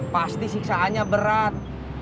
pasti siksaannya berat